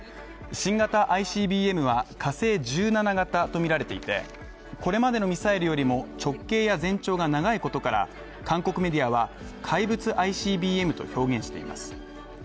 新型ＩＣＢＭは火星１７型とみられていて、これまでのミサイルよりも直径や全長が長いことから韓国メディアは怪物ＩＣＢＭと表現しています。